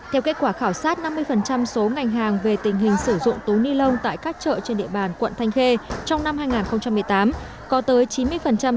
theo kết quả khảo sát năm mươi số ngành hàng về tình hình sử dụng túi ni lông tại các chợ trên địa bàn quận thanh khê trong năm hai nghìn một mươi tám